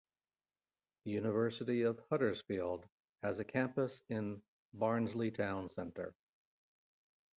The University of Huddersfield has a campus in Barnsley town centre.